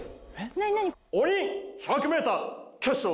何何？